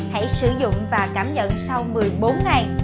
hãy sử dụng và cảm nhận sau một mươi bốn ngày